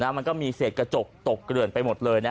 มันก็มีเศษกระจกตกเกลื่อนไปหมดเลย